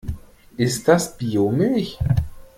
Ist das Biomilch?